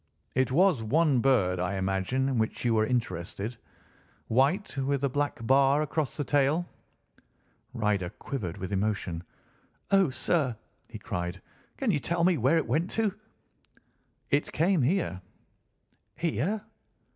It was one bird, I imagine in which you were interested—white, with a black bar across the tail." Ryder quivered with emotion. "Oh, sir," he cried, "can you tell me where it went to?" "It came here." "Here?"